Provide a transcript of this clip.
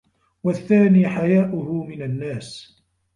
وَالثَّانِي حَيَاؤُهُ مِنْ النَّاسِ